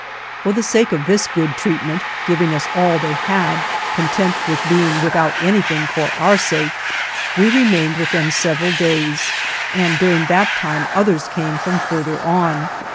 For the sake of this good treatment, giv ing us all they had, content with being with out anything for our sake, we remained with them several days, and during that time others came from further on.